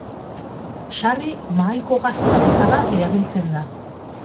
Sarri mahaiko gazta bezala erabiltzen da.